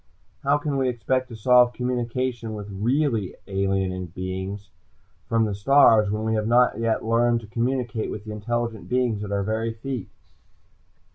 How can we expect to solve communication with really alien beings from the stars, when we have not learned to communicate with the intelligent beings at our very feet?"